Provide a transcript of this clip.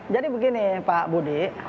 jadi begini pak budi